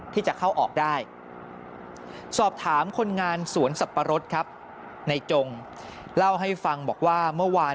ที่จะเข้าออกได้สอบถามคนงานสวนสับปะรดครับในจงเล่าให้ฟังบอกว่าเมื่อวาน